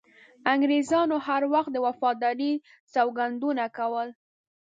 انګریزانو هر وخت د وفادارۍ سوګندونه کول.